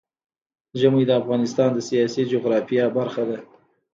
ژمی د افغانستان د سیاسي جغرافیه برخه ده.